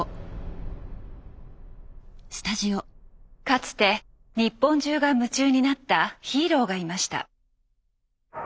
かつて日本中が夢中になったヒーローがいました。